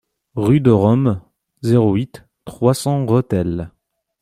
Rue de Rome, zéro huit, trois cents Rethel